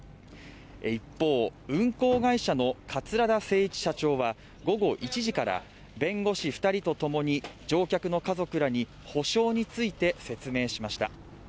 一方、運航会社の桂田精一社長は、午後１時から弁護士２人と共に乗客の家族らに補償について説明しました。